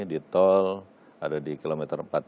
di tol ada di km empat puluh tiga enam puluh delapan